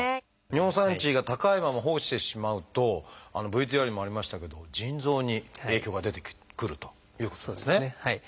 尿酸値が高いまま放置してしまうとＶＴＲにもありましたけども腎臓に影響が出てくるということですね。